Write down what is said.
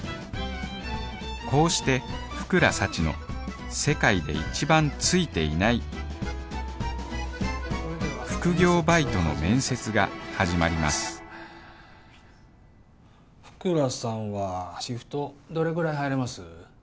こうして福良幸の世界で一番「ついていない」副業バイトの面接が始まります福良さんはシフトどれくらい入れます？